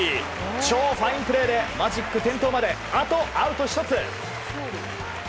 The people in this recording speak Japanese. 超ファインプレーでマジック点灯まであとアウト１つ。